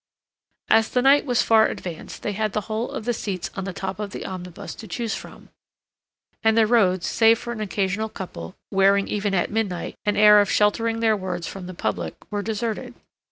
As the night was far advanced they had the whole of the seats on the top of the omnibus to choose from, and the roads, save for an occasional couple, wearing even at midnight, an air of sheltering their words from the public, were deserted.